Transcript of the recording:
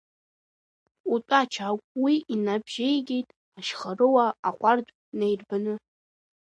Утәа, Чагә, уи инаиабжьеигеит Ашьхаруа, аҟәардә наирбаны.